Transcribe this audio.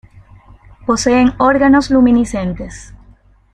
Poseen órganos luminiscentes.